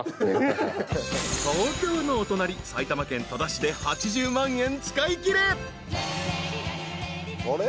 ［東京のお隣埼玉県戸田市で８０万円使いきれ］